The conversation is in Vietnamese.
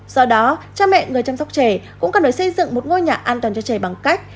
do đó cha mẹ người chăm sóc trẻ cũng cần phải xây dựng một ngôi nhà an toàn cho trẻ bằng cách